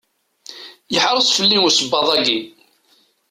Yeḥreṣ fell-i usebbaḍ-agi.